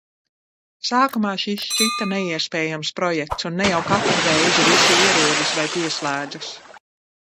Sākumā šis šķita neiespējams projekts, un ne jau katru reizi visi ierodas vai pieslēdzas.